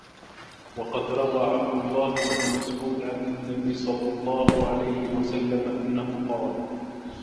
وَقَدْ رَوَى عَبْدُ اللَّهِ بْنُ مَسْعُودٍ عَنْ النَّبِيِّ صَلَّى اللَّهُ عَلَيْهِ وَسَلَّمَ أَنَّهُ قَالَ